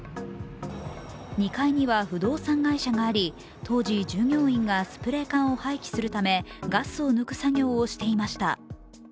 ２階には不動産会社があり、当時、従業員がスプレー缶を廃棄するためガスを抜く作業をしていました。